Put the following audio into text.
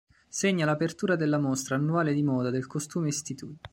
Segna l'apertura della mostra annuale di moda del Costume Institute.